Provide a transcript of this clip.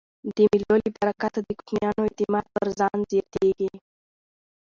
د مېلو له برکته د کوچنیانو اعتماد پر ځان زیاتېږي.